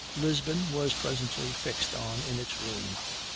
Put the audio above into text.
Lisbon was presently fixed on in its room.